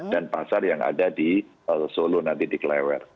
dan pasar yang ada di solo nanti di klewer